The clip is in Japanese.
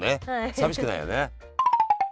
寂しくないよね。